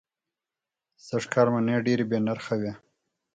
سږ کال مڼې دېرې بې نرخه وې.